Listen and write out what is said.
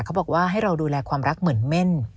เขาบอกว่าให้เราดูแลความรักเหมือนเม่น